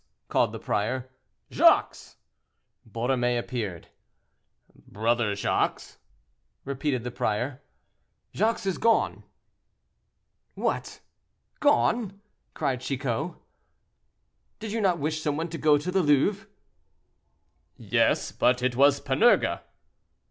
called the prior, "Jacques!" Borromée appeared. "Brother Jacques," repeated the prior. "Jacques is gone." "What! gone," cried Chicot. "Did you not wish some one to go to the Louvre?" "Yes; but it was Panurge."